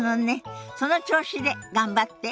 その調子で頑張って。